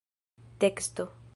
teksto